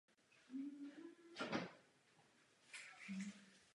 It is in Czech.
Nepochybuji o tom, že se Vám to podaří.